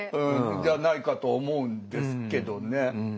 うんじゃないかと思うんですけどね。